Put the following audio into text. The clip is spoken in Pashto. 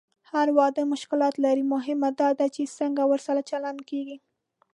هر واده مشکلات لري، مهمه دا ده چې څنګه ورسره چلند کېږي.